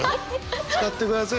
使ってください。